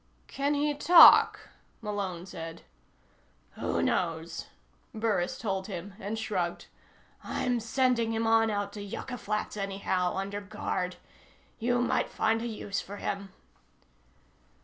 "Can he talk?" Malone said. "Who knows?" Burris told him, and shrugged. "I'm sending him on out to Yucca Flats anyhow, under guard. You might find a use for him."